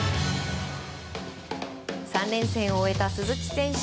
３連戦を終えた鈴木選手。